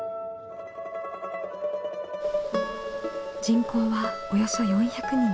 人口はおよそ４００人。